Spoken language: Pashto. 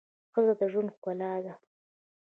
ښځه د ژوند ښکلا ده.